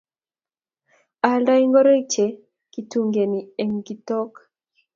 Aaldei ngoroik che kitugengei eng' kitok